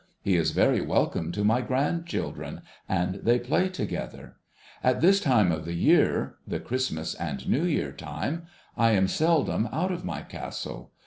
He is very welcome to my grandchildren, and they play together. At this time of the year — the Christmas and New Year time — I am seldom out of my Castle.